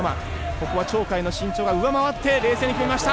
ここは鳥海の身長が上回って冷静に決めました。